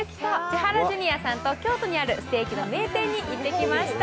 千原ジュニアさんと京都にあるステーキの名店に行ってきました。